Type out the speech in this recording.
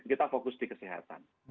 kita fokus di kesehatan